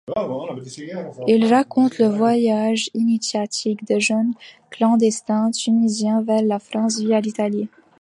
Il raconte le voyage initiatique de jeunes clandestins tunisiens vers la France via l'Italie.